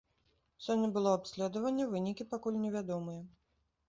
Сёння было абследаванне, вынікі пакуль невядомыя.